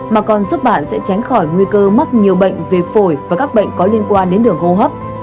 mà còn giúp bạn sẽ tránh khỏi nguy cơ mắc nhiều bệnh về phổi và các bệnh có liên quan đến đường hô hấp